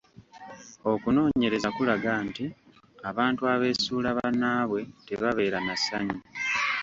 Okunoonyereza kulaga nti abantu abeesuula bannaabwe tebabeera n'assanyu.